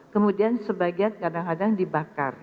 kemudian sebagian kadang kadang dibakar